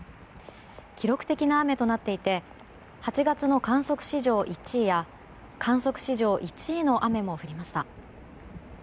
記録的な雨となっていて８月の観測史上１位の雨も降りました。